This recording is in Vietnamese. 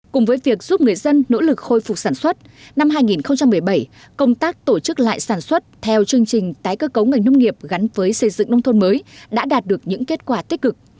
cùng với việc giúp người dân nỗ lực khôi phục sản xuất năm hai nghìn một mươi bảy công tác tổ chức lại sản xuất theo chương trình tái cơ cấu ngành nông nghiệp gắn với xây dựng nông thôn mới đã đạt được những kết quả tích cực